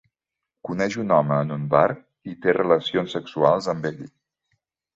Coneix un home en un bar i té relacions sexuals amb ell.